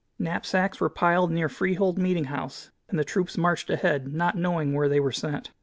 Knapsacks were piled near Freehold meeting house, and the troops marched ahead, not knowing where they were sent.